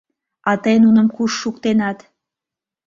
А тый нуным куш шуктенат?